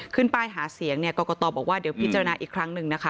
ขึ้นไปหาเสียงเนี้ยก็ก็ตอบอกว่าเดี๋ยวพี่เจ้านาอีกครั้งหนึ่งนะคะ